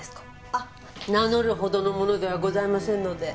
あっ名乗るほどの者ではございませんので。